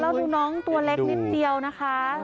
แล้วดูน้องตัวเล็กนิดเดียวนะคะ